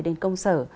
đến công sở